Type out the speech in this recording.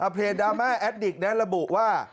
เพลย์ดราม่าแอดดิกน์เนี่ยระบุว่า